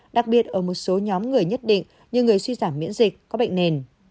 đặc biệt ở một số nhóm người nhất định như người suy giảm miễn dịch có bệnh nền